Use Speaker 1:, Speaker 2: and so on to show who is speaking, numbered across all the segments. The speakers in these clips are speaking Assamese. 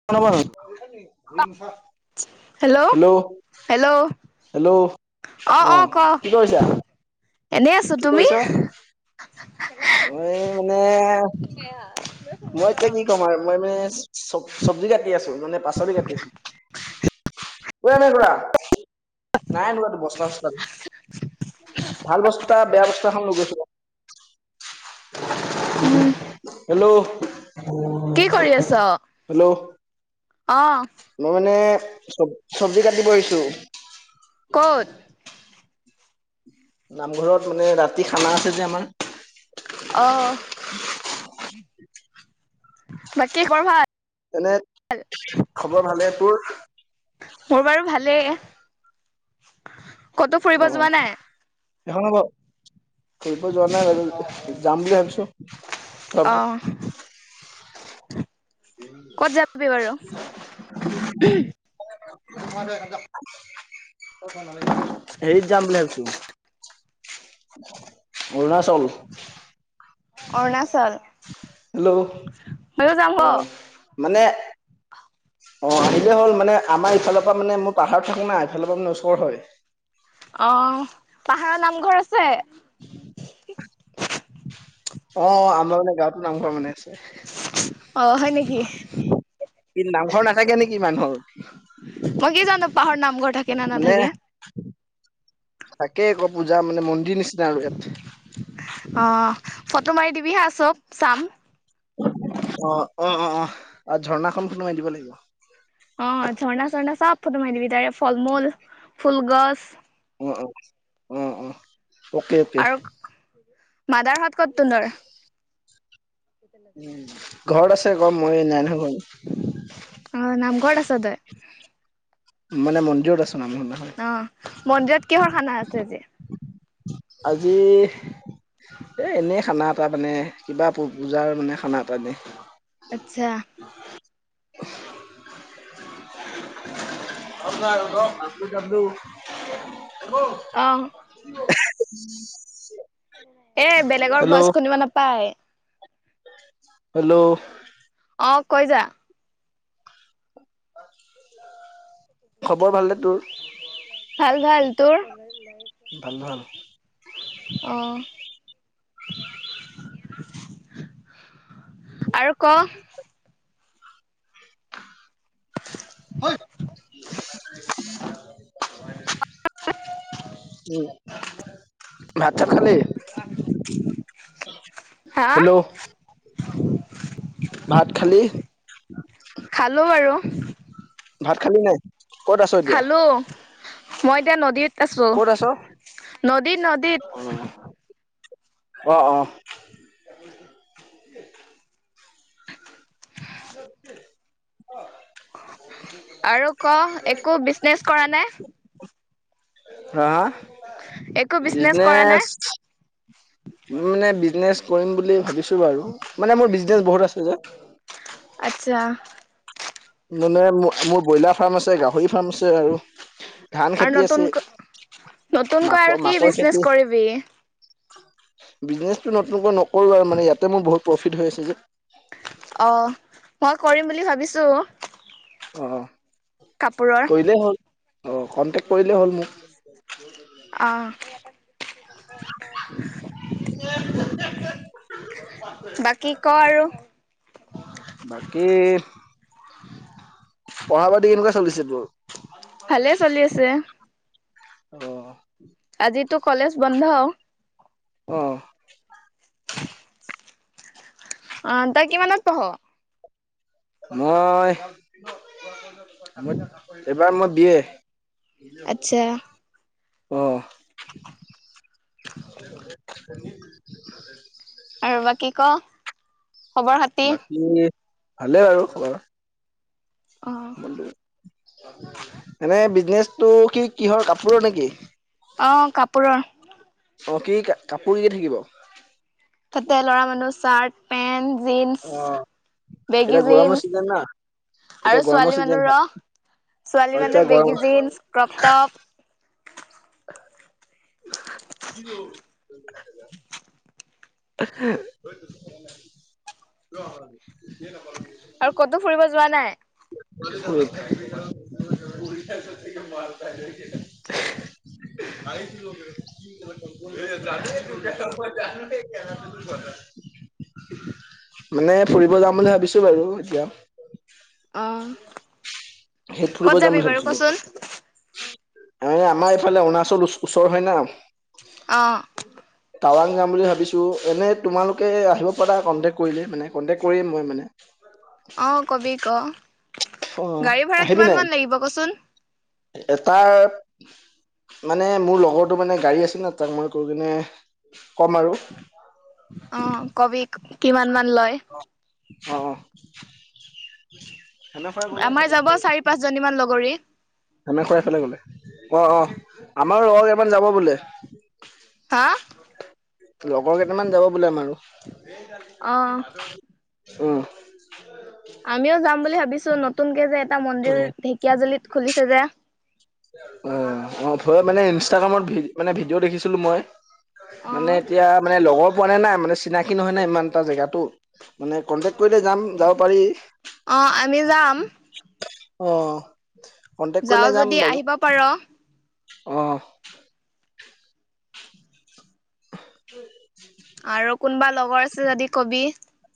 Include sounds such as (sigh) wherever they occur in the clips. Speaker 1: (inaudible)
Speaker 2: Hello
Speaker 1: hello!
Speaker 2: Hello
Speaker 1: hello! অ কি কৰিছা?
Speaker 2: এনেই আছো।
Speaker 1: কি
Speaker 2: তুমি?
Speaker 1: কৰিছা মই মানে মই এতিয়া কি ক'ম আৰু মই মানে চব-চব্জি কাটি আছো, মানে পাচলি কাটি আছো। (unintelligible) নাই ৰোৱাটো বস্তা চস্তা ভাল বস্তা বেয়া বস্তা এখন লৈ গৈছিলো।
Speaker 2: উম
Speaker 1: হেল্ল!
Speaker 2: কি কৰি আছ
Speaker 1: হেল্ল!
Speaker 2: অ
Speaker 1: মই মানে চব-চবজি কাটিব আহিছো।
Speaker 2: ক'ত?
Speaker 1: নামঘৰত মানে ৰাতি খানা আছে যে আমাৰ।
Speaker 2: অহ, বাকি খবৰ ভাল?
Speaker 1: এনে, খবৰ ভালে। তোৰ?
Speaker 2: মোৰ বাৰু ভালেই। কতো
Speaker 1: অ
Speaker 2: ফুৰিব যোৱা নাই?
Speaker 1: (unintelligible) ফুৰিব যোৱা নাই বাৰু যাম বুলি ভাবিছো।
Speaker 2: অহ। বাৰু
Speaker 1: (unintelligible) (unintelligible) হেৰীত যাম বুলি ভাবিছো অৰুণাচল।
Speaker 2: অৰুণাচল?
Speaker 1: হেল্ল!
Speaker 2: ময়ো যাম হ
Speaker 1: অ। মানে, অ আহিলে হ'ল মানে আমাৰ ইফালৰ পৰা মানে মই পাহাৰত থাকো না সেইফালৰ মানে ওচৰত হয়।
Speaker 2: অ পাহাৰত নামঘৰ আছে?
Speaker 1: (unintelligible) অ আমাৰ মানে গাৱতো নামঘৰ বনাই আছে।
Speaker 2: অ হয় নেকি?
Speaker 1: কি নামঘৰ নাথাকে নেকি মানুহৰ?
Speaker 2: মই কি জানো পাহাৰৰ নামঘৰ থাকে না নাথাকে?
Speaker 1: থাকে আকৌ পূজা মানে মন্দিৰ নিচিনা আৰু ইয়াত।
Speaker 2: অ ফটো মাৰি দিবি হা চব চাম।
Speaker 1: অ, অ-অ-অ আৰু ঝৰ্ণাখন ফটো মাৰি দিব লাগিব।
Speaker 2: অ ঝৰ্ণা-চৰ্ণা চব ফটো মাৰি দিবি তাৰ ফল-মূল, ফুলগছ,
Speaker 1: অ-অ, অ-অ
Speaker 2: আৰু মাদাৰহত ক'ত তুনতৰ?
Speaker 1: ঘৰত আছে আকৌ মই নাই নহয় ঘৰত।
Speaker 2: অ নামঘৰত আছ তই?
Speaker 1: মানে মন্দিৰত আছো নামঘৰত নহয়।
Speaker 2: অ মন্দিৰত কিহৰ খানা আছে আজি?
Speaker 1: আজি এই এনেই খানা এটা মানে কিবা পূজাৰ মানে খানা এটা দে।
Speaker 2: আতচ্ছা
Speaker 1: (unintelligible)
Speaker 2: অ
Speaker 1: (unintelligible)
Speaker 2: এ বেলেগৰ
Speaker 1: হেল্ল'
Speaker 2: ভইচ শুনিব নাপায়
Speaker 1: হেল্ল'
Speaker 2: অ কৈ যা
Speaker 1: (unintelligible) (inaudible) খবৰ ভালনে তোৰ?
Speaker 2: ভাল ভাল তোৰ
Speaker 1: ভাল ভাল
Speaker 2: অহ আৰু ক
Speaker 1: (unintelligible) উ ভাত চাত খালি?
Speaker 2: (unintelligible) হা
Speaker 1: হেল্ল' ভাত খালি?
Speaker 2: খালো আৰু
Speaker 1: ভাত খালি নাই? ক'ত আছ? এতিয়া?
Speaker 2: খালো মই এতিয়া নদীত আছোঁ,
Speaker 1: ক'ত আছ?
Speaker 2: নদীত নদীত।
Speaker 1: অ', অ'। (unintelligible)
Speaker 2: আৰু ক' একো বিজনেচ কৰা নাই?
Speaker 1: হা?
Speaker 2: একো বিজনেচ কৰা
Speaker 1: বিজনেছ
Speaker 2: নাই
Speaker 1: উ মানে বিজনেচ কৰিম বুলি ভাবিছো বাৰু, মানে মোৰ বিজনেচ বহুত আছে যে।
Speaker 2: আত্ছা।
Speaker 1: মানে মু মোৰ ব্ৰইলাৰ ফাৰ্ম আছে, গাহৰি ফাৰ্ম আছে, আৰু ধান
Speaker 2: আৰু
Speaker 1: খেতি
Speaker 2: নতুন
Speaker 1: আছে।
Speaker 2: নতুনকৈ
Speaker 1: মাক
Speaker 2: আৰু কি
Speaker 1: মাকৰ
Speaker 2: বিছনেচ
Speaker 1: খেতি
Speaker 2: কৰিবি?
Speaker 1: বিজনেচটো নতুনকৈ নকৰো আও মানে, ইয়াতে মোৰ বহুত প্ৰফিট হৈ আছে যে।
Speaker 2: অ', মই কৰিম বুলি ভাবিছো।
Speaker 1: অ',
Speaker 2: কাপোৰৰ
Speaker 1: কৰিলেই হ'ল, অ', কনটেক্ট কৰিলেই হ'ল মোক।
Speaker 2: অ'। বাকী ক' আৰু।
Speaker 1: বাকী পঢ়া-পাতি কেনেকুৱা চলিছে তোৰ?
Speaker 2: ভালে চলি আছে।
Speaker 1: অ'।
Speaker 2: আজিতো কলেজ বন্ধ?
Speaker 1: অ'।
Speaker 2: (inaudible) অ', তই কিমানত পঢ়?
Speaker 1: মই, এইবাৰ মই বি এ
Speaker 2: আচ্ছা
Speaker 1: অ'। (inaudible)
Speaker 2: আৰু বাকী ক' খবৰ খাতি
Speaker 1: বাকী ভালেই বাৰু খবৰ
Speaker 2: অ
Speaker 1: এনেই বিজনেচটো কি কিহৰ কাপোৰৰ নেকি?
Speaker 2: অ', কাপোৰৰ।
Speaker 1: অ', কি কাপোৰ কি কি থাকিব?
Speaker 2: তাতে ল'ৰা মানুহৰ চাৰ্ট পেন্ট জিন্চ।
Speaker 1: অ
Speaker 2: বেগী
Speaker 1: এতিয়া গৰমৰ চিজন
Speaker 2: জিন্চ
Speaker 1: না এতিয়া
Speaker 2: আৰু
Speaker 1: গৰমৰ
Speaker 2: ছোৱালী
Speaker 1: চিজন
Speaker 2: মানুহৰ
Speaker 1: হয় অ
Speaker 2: ছোৱালী
Speaker 1: এতিয়া
Speaker 2: মানুহৰ
Speaker 1: গৰম
Speaker 2: বেগী জিন্স ক্ৰপটপ।
Speaker 1: (inaudible) (inaudible) (inaudible)
Speaker 2: আৰু ক'তো ফুৰিব যোৱা নাই?
Speaker 1: (inaudible) (inaudible) (inaudible) মানে ফুৰিব যাম বুলি ভাবিছো বাৰু এতিয়া।
Speaker 2: অ', ক'ত যাবি বাৰু ক' চোন?
Speaker 1: এ আমাৰ এইফালে অৰুণাচল ওচৰ হয় না।
Speaker 2: অ'।
Speaker 1: (inaudible) টাৱাং যাম বুলি ভাবিছো, এনেই তোমালোকে আহিব পাৰা কণ্টেক কৰিলে মানে, কণ্টেক কৰিম মই মানে।
Speaker 2: অ', কবি আক
Speaker 1: অ
Speaker 2: গাড়ী ভাড়া কিমান মান লাগিব ক চোন?
Speaker 1: এটাৰ মানে মোৰ লগৰটোৰ মানে গাড়ী আছিল ন, তাক মই কৈ কিনে ক'ম আৰু
Speaker 2: অ' কবি কিমান মান লয়?
Speaker 1: অ', অ'।
Speaker 2: আমাৰ যাব চাৰি পাঁচজনীমান লগৰী।
Speaker 1: ধমে খৰাই এইফালে গ'লে, অ' অ' আমাৰো ৰৰ এমান যাব
Speaker 2: হা।
Speaker 1: লগৰ কেইটামান যাব বোলে আমাৰ
Speaker 2: অ
Speaker 1: লগত। ও'ম।
Speaker 2: আমিও যাম বুলি ভাবিছো, নতুনকে যে এটা মন্দিৰ ঢেকীয়াাজুলিত খুলিছে যে?
Speaker 1: অ', অ' ময়ে মানে ইনষ্টাগ্ৰামত মানে ভিডিঅ' দেখিছিলো মই?
Speaker 2: অ
Speaker 1: মানে এতিয়া মানে লগৰ পোৱা নাই না, মানে চিনাকি নহয় না ইমানটা জেগাতো? মানে কন্টেক্ট কৰিলে যাম যাব পাৰি
Speaker 2: আমি যাম
Speaker 1: অ'। কণ্টেক্ট
Speaker 2: যাও
Speaker 1: কৰিলে যাম
Speaker 2: যদি
Speaker 1: বাৰু?
Speaker 2: আহিব পাৰ।
Speaker 1: অ'। (inaudible)
Speaker 2: আৰু কোনোবা লগৰ আছে যদি কবি?
Speaker 1: (inaudible)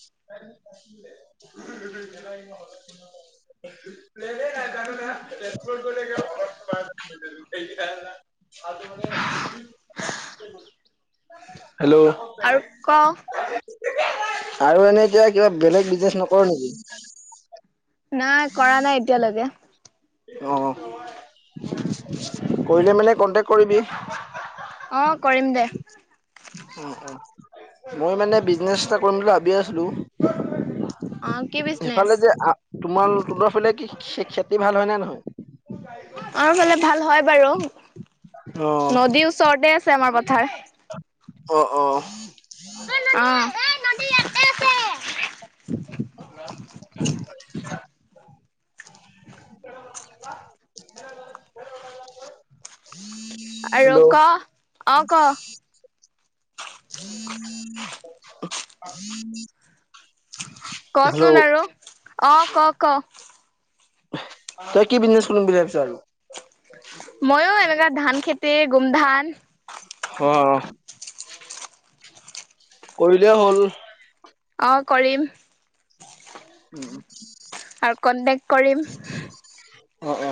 Speaker 1: (inaudible) হেল্ল'অ
Speaker 2: আৰু ক?
Speaker 1: (inaudible) আৰু এনেই এতিয়া কিবা বেলেগ বিজনেচ নকৰো নেকি?
Speaker 2: নাই কৰা নাই এতিয়ালৈকে।
Speaker 1: অ', কৰিলে মানে কন্টেক্ট কৰিবি?
Speaker 2: অ' কৰিম দে।
Speaker 1: উম, উম মই মানে বিজনেচ এটা কৰিম বুলি ভাবিয়ে আছিলো।
Speaker 2: অ কি বিজনেচ
Speaker 1: সিফালে যে আ তোমাৰ তহ'তৰ ফালে কি খে খেতি ভাল হয় নে নহয়?
Speaker 2: আমাৰ ফালে ভাল হয় বাৰু,
Speaker 1: অ
Speaker 2: নদীৰ ওচৰতে আছে আমাৰ পথাৰ।
Speaker 1: অ', অ'।
Speaker 2: অ'।
Speaker 1: (unintelligible)
Speaker 2: (unintelligible) আৰু ক
Speaker 1: হেল্ল'
Speaker 2: অ' ক?
Speaker 1: (inaudible) (unintelligible)
Speaker 2: কচোন আৰু অ' ক ক?
Speaker 1: তই কি বিজনেচ কৰিম বুলি ভাবিছ আৰু?
Speaker 2: ময়ো এনেকুৱা ধান খেতি, গোমধান
Speaker 1: হ। কৰিলে হ'ল।
Speaker 2: অ' কৰিম।
Speaker 1: উম।
Speaker 2: আৰু কণ্টেক্ট কৰিম
Speaker 1: অ', অ'।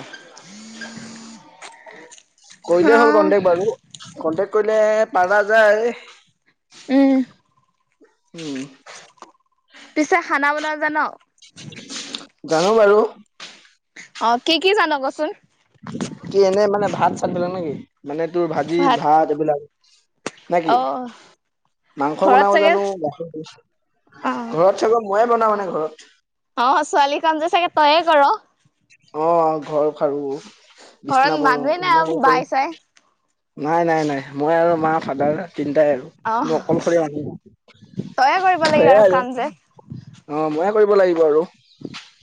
Speaker 2: অ
Speaker 1: কৰিলেই হ'ল কণ্টেক্ট বাৰু, কণ্টেক্ট কৰিলে পাৰা যায়।
Speaker 2: উম।
Speaker 1: উম।
Speaker 2: পিছে খানা বনাব জান?
Speaker 1: জানো বাৰু।
Speaker 2: অ কি কি জান কচোন?
Speaker 1: কি এনেই মানে ভাত - চাতবিলাক নেকি মানে তোৰ ভাজি, ভাত এইবিলাক? নে কি?
Speaker 2: অ।
Speaker 1: মাংস
Speaker 2: ঘৰত
Speaker 1: বনাব
Speaker 2: চাগে
Speaker 1: জানো (unintelligible)
Speaker 2: অ
Speaker 1: ঘৰত চাগৈ ময়ে বনাওঁ মানে ঘৰত।
Speaker 2: অ ছোৱালীৰ কামটো চাগে তইয়ে কৰ।
Speaker 1: অ ঘৰ সাৰো,
Speaker 2: ঘৰত
Speaker 1: বিচনা পাৰো
Speaker 2: মানুহে নাই
Speaker 1: এইবিলাক
Speaker 2: আৰু
Speaker 1: মইয়ে
Speaker 2: বাই
Speaker 1: কৰো।
Speaker 2: চাই
Speaker 1: নাই নাই নাই, মই আৰু মা, ফাদাৰ তিনটাই আৰু।
Speaker 2: অ
Speaker 1: মই অকলশৰীয়া মানুহ
Speaker 2: তয়ে কৰিব লাগে
Speaker 1: সেয়ে আৰু।
Speaker 2: কাম যে
Speaker 1: অ ময়ে কৰিব লাগিব আৰু।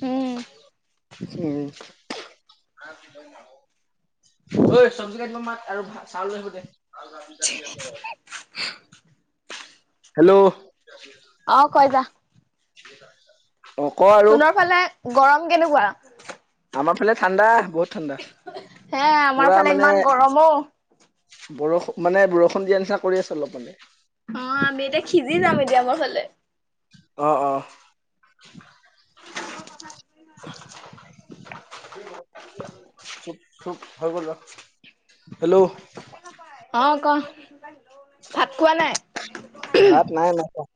Speaker 2: উম।
Speaker 1: উম। মাত সিহঁতকো আক। ঐ চব্জি কাটিব মাত আৰু ভা চাউল লৈ আহিব দে (unintelligible) হেল্ল'?
Speaker 2: অ কয় যা?
Speaker 1: কেইটা হিচাপ?
Speaker 2: তোহঁতৰ ফালে গৰম কেনেকুৱা?
Speaker 1: আমাৰ ফালে ঠাণ্ডা বহুত ঠাণ্ডা,
Speaker 2: হে আমাৰ
Speaker 1: পুৰা
Speaker 2: ফালে
Speaker 1: মানে
Speaker 2: ইমান গৰম অ
Speaker 1: বৰষ মানে বৰষুণ দিয়া নিচিনা কৰি আছে অলপ মানে।
Speaker 2: অ', আমি এতিয়া সিজি যাম এতিয়া আমাৰ ফালে।
Speaker 1: অ', অ'। হেল্ল'?
Speaker 2: অ', ক' ভাত খোৱা নাই?
Speaker 1: ভাত নাই নাই খোৱা,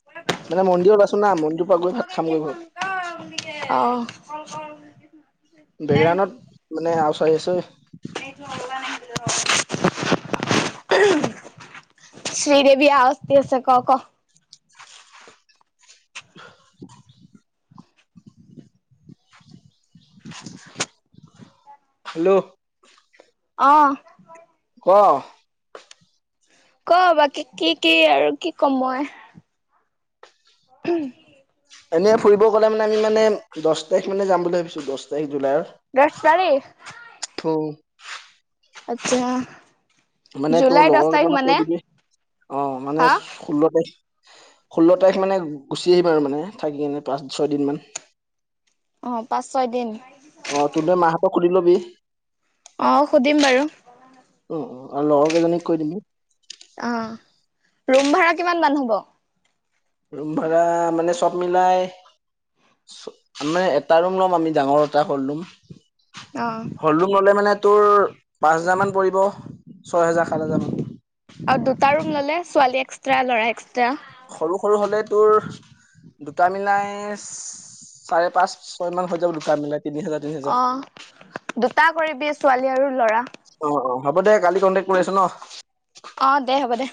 Speaker 1: মানে মন্দিৰত আছো না মন্দিৰৰ পৰা গৈ ভাত খামগৈ ঘৰত।
Speaker 2: অ'।
Speaker 1: বেকগ্ৰাউণ্ডত মানে আৱাজ আহি আছে ঐ।
Speaker 2: (unintelligible)
Speaker 1: (inaudible)
Speaker 2: শ্ৰীদেৱী আৱাজ দি আছে ক' ক'?
Speaker 1: (inaudible) খালো।
Speaker 2: অ'।
Speaker 1: ক'?
Speaker 2: ক' বাকী কি কি আৰু কি কম মই? (inaudible)
Speaker 1: এনেই ফুৰিব গ'লে মানে আমি মানে দহ তাৰিখ মানে যাম বুলি ভাবিছো দহ তাৰিখ জুলাইৰ।
Speaker 2: দছ তাৰিখ?
Speaker 1: উম।
Speaker 2: আচ্ছা।
Speaker 1: মানে তোৰ
Speaker 2: জুলাই দহ
Speaker 1: লগৰ
Speaker 2: তাৰিখ
Speaker 1: কেইটামানক
Speaker 2: মানে
Speaker 1: কৈ দিবি অ',
Speaker 2: হা
Speaker 1: মানে ষোল্ল তাৰিখ ষোল্ল তাৰিখ মানে গুচি আহিম আৰু মানে থাকি কিনে পাঁচ ছয়দিনমান।
Speaker 2: অ', পাঁচ ছয় দিন।
Speaker 1: অ', তহঁতে মাহঁতক সুধি লবি।
Speaker 2: অ', সুধিম বাৰু।
Speaker 1: উম, উম, আৰু লগৰ কেইজনীক কৈ দিবি।
Speaker 2: অ', ৰুম ভাড়া কিমান মান হ'ব?
Speaker 1: ৰুম ভাড়া মানে চব মিলাই ম মানে এটা ৰুম ল'ম আমি ডাঙৰ এটা হ'ল ৰুম।
Speaker 2: অ'।
Speaker 1: হ'ল ৰুম ল'লে মানে তোৰ পাঁচ হাজাৰ মান পৰিব ছয় হেজাৰ সাত হেজাৰ মান।
Speaker 2: আৰু দুটা ৰুম ল'লে ছোৱালী এক্সট্ৰা ল'ৰা এক্সট্ৰা?
Speaker 1: সৰু সৰু হ'লে তোৰ দুটা মিলাই চাৰে পাঁচ ছয় মান হৈ যাব দুটা মিলাই তিনি হাজাৰ তিনি হাজাৰ
Speaker 2: অ', দুটা কৰিবি ছোৱালী আৰু ল'ৰা।
Speaker 1: অ', অ', হ'ব দে কালি কণ্টেক কৰি আছো ন'?
Speaker 2: অ', দে হ'ব দে।